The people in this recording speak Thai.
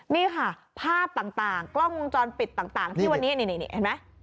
นี่ค่ะภาพต่างกล้องวงจรปิดต่างที่วันนี้นี่เห็นไหม